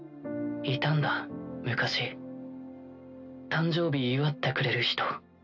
いたんだ昔誕生日祝ってくれる人。